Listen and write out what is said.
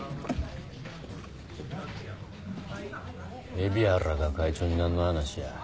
海老原が会長に何の話や？